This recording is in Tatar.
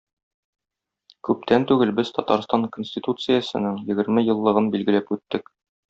Күптәп түгел без Татарстан Конституциясенең егерме еллыгын билгеләп үттек.